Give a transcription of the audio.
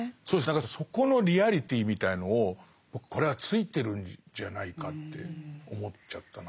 何かそこのリアリティーみたいのを僕これはついてるんじゃないかって思っちゃったな。